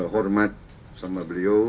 hormat sama beliau